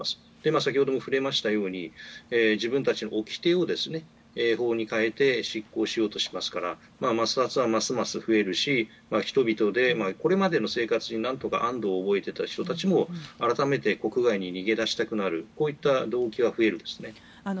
先ほども触れたように自分たちのおきてを法に変えて執行しようとしますから摩擦はますます増えるし人々でこれまでの生活に何とか安堵を覚えていた人たちも改めて、国外に逃げ出したくなる動機は増えますね。